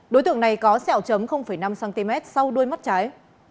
đối tượng này có sẹo chấm năm cm sau đuôi mắt trái